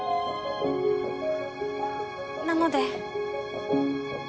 なので。